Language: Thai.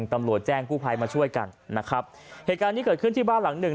ตำรวจแจ้งกู้ภัยมาช่วยกันนะครับเหตุการณ์ที่เกิดขึ้นที่บ้านหลังหนึ่ง